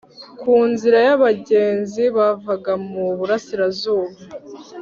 ku nzira y'abagenzi bavaga mu burasirazuba